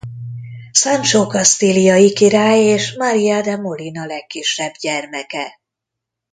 Sancho kasztíliai király és Maria de Molina legkisebb gyermeke.